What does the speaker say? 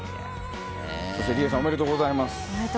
そしてリエさんおめでとうございます。